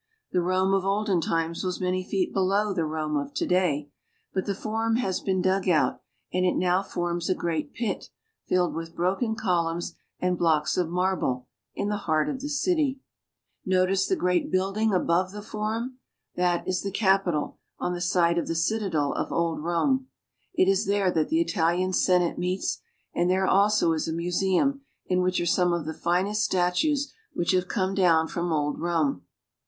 The Rome of olden times was many feet below the Rome of to day, but the Forum has been dug out, and it now forms a great pit, filled with broken columns and blocks of marble, in the heart of the city. The Forum. Notice the great building above the Forum. That is the Capitol, on the site of the citadel of old Rome. It is there that the Italian Senate meets, and there also is a museum in which are some of the finest statues which have come down from old Rome.